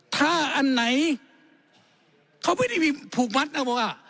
ถ้าอันไหนเขาไม่ได้ไปผูกมัดนะบอกว่า